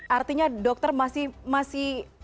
artinya dokter masih masih